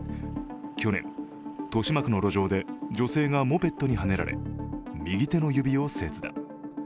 去年、豊島区の路上で女性がモペットにはねられ右手の指を切断。